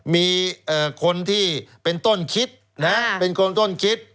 มีคนที่เป็นต้นคิด